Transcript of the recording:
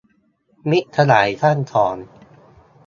มิตรสหายท่านสอง